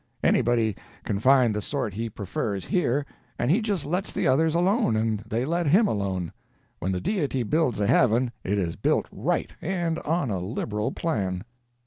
Anybody can find the sort he prefers, here, and he just lets the others alone, and they let him alone. When the Deity builds a heaven, it is built right, and on a liberal plan."